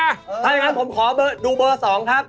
ถ้าอย่างนั้นผมขอดูเบอร์๒ครับ